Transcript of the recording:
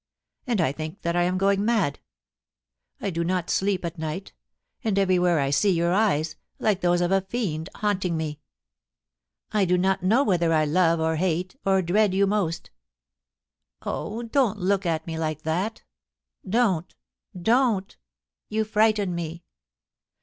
... And I think that I am going mad. I do not sleep at night ; and everywhere I see your eyes, like those of a fiend, haunting me. I do not know whether I love or hate or dread you most ... Oh ! don't look at me like that Don't, don't ! you frighten me.